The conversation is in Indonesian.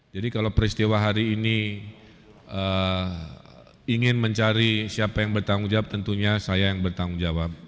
jadi kalau peristiwa hari ini ingin mencari siapa yang bertanggung jawab tentunya saya yang bertanggung jawab